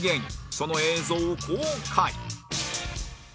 その映像を公開